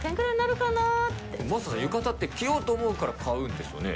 真麻さん、浴衣って着ようと思うから買うんですよね？